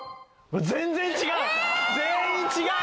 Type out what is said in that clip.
全然違う！